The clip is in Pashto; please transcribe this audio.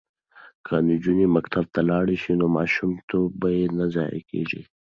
که نجونې مکتب ته لاړې شي نو ماشوم توب به یې نه ضایع کیږي.